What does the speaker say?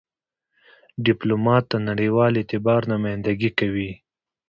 ډيپلومات د نړېوال اعتبار نمایندګي کوي.